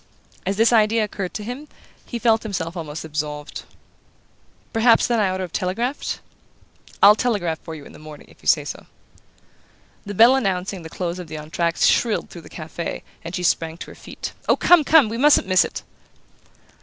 As this idea occurred to him he felt himself almost absolved. "Perhaps, then, I ought to have telegraphed?" "I'll telegraph for you in the morning if you say so." The bell announcing the close of the entr' acte shrilled through the cafe, and she sprang to her feet. "Oh, come, come! We mustn't miss it!"